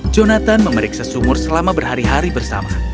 jonathan memeriksa sumur selama berhari hari bersama